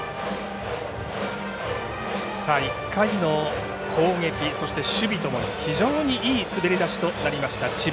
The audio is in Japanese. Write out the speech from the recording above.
１回の攻撃、そして守備ともに非常にいい滑り出しとなりました智弁